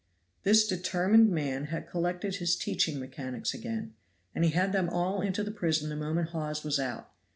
This determined man had collected his teaching mechanics again, and he had them all into the prison the moment Hawes was out.